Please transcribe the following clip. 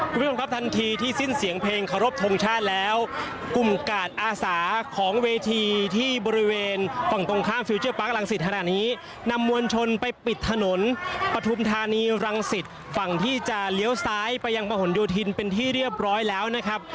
คุณผู้ชมครับทันทีที่สิ้นเสียงเพลงเคารพทงชาติแล้วกลุ่มกาดอาสาของเวทีที่บริเวณฝั่งตรงข้ามฟิลเจอร์ปาร์คลังศิษย์ขณะนี้นำมวลชนไปปิดถนนปฐุมธานีรังสิตฝั่งที่จะเลี้ยวซ้ายไปยังประหลโยธินเป็นที่เรียบร้อยแล้วนะครับ